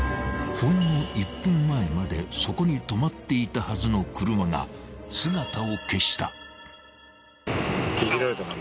［ほんの１分前までそこに止まっていたはずの車が姿を消した］